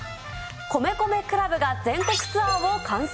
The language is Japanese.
米米ＣＬＵＢが全国ツアーを完走。